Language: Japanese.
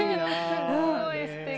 すごいすてき。